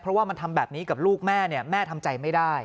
เพราะว่ามันทำแบบนี้กับลูกแม่แม่ทำใจไม่ได้